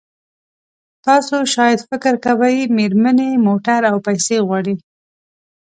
تاسو شاید فکر کوئ مېرمنې موټر او پیسې غواړي.